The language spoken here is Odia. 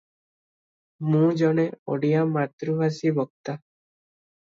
ମୁଁ ଜଣେ ଓଡ଼ିଆ ମାତୃଭାଷୀ ବକ୍ତା ।